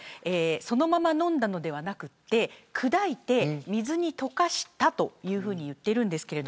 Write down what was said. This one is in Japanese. そのまま飲んだのではなく砕いて水に溶かしたというふうに言っています。